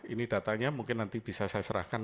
ini datanya mungkin nanti bisa saya serahkan